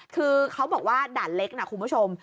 คือเขาบอกว่าด่านเล็กนะคุณผู้ชม